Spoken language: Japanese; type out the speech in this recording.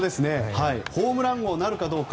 ホームラン王なるかどうか。